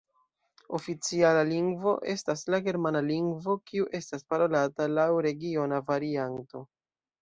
Oficiala lingvo estas la Germana lingvo, kiu estas parolata laŭ regiona varianto.